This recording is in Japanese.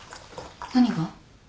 何が？